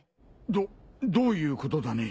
どどういうことだね？